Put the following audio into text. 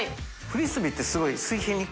フリスビーってすごい水平に。